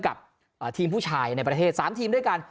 กับทีมผู้ชายในประเทศ๓ทีมด้วยกัน